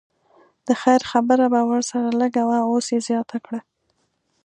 د خیر خبره به ورسره لږه وه اوس یې زیاته کړه.